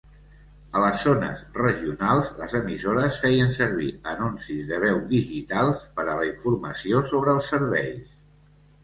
A les zones regionals, les emissores feien servir anuncis de veu digitals per a la informació sobre els serveis.